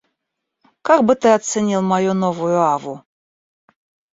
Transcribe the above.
Как бы ты оценил мою новую аву?